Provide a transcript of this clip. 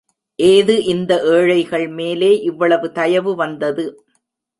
ஏது இந்த ஏழைகள் மேலே இவ்வளவு தயவு வந்தது!